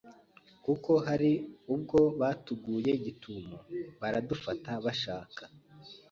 kuko harubwo batuguye gitumo baradufata bashaka